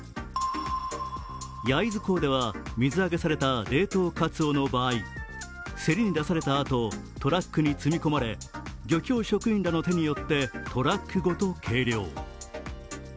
焼津港では水揚げされた冷凍かつおの場合、競りに出されたあとトラックに積み込まれ漁協職員らの手によってトラックごと計量。